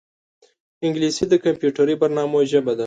انګلیسي د کمپیوټري برنامو ژبه ده